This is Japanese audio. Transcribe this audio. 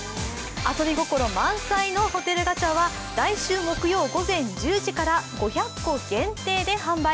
遊び心満載のホテルガチャは来週木曜午前１０時から５００個限定で販売。